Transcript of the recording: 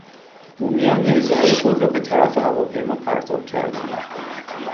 بومیان نیزههای خود را به طرف هواپیما پرتاب کردند.